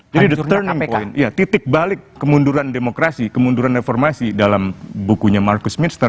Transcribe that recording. jadi the turning point titik balik kemunduran demokrasi kemunduran reformasi dalam bukunya marcus michner